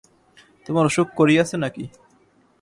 তোমার অসুখ করিয়াছে না কী?